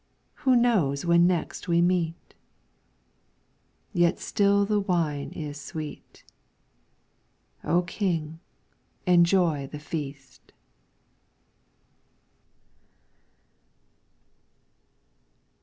Who knows when next we meet ? Yet still the wine is sweet. O King, enjoy the feast